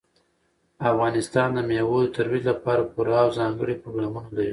افغانستان د مېوو د ترویج لپاره پوره او ځانګړي پروګرامونه لري.